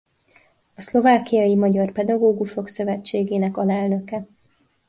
A Szlovákiai Magyar Pedagógusok Szövetségének alelnöke.